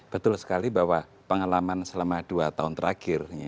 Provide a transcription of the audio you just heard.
betul sekali bahwa pengalaman selama dua tahun terakhir